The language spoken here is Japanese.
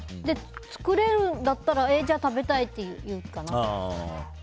作れるんだったらえ、じゃあ食べたいって言うかな。